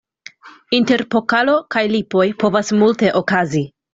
Inter pokalo kaj lipoj povas multe okazi.